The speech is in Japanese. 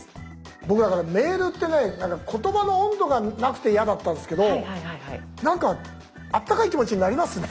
僕だからメールってね言葉の温度がなくて嫌だったんですけどなんかあったかい気持ちになりますね。